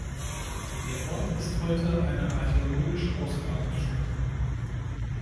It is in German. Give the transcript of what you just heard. Der Ort ist heute eine archäologische Ausgrabungsstätte.